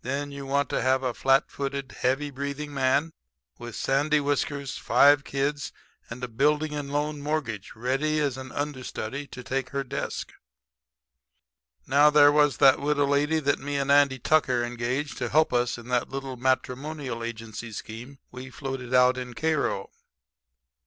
Then you want to have a flat footed, heavy breathing man with sandy whiskers, five kids and a building and loan mortgage ready as an understudy to take her desk. Now there was that widow lady that me and Andy Tucker engaged to help us in that little matrimonial agency scheme we floated out in Cairo.